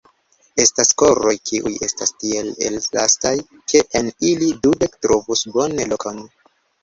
Estas koroj, kiuj estas tiel elastaj, ke en ili dudek trovus bone lokon!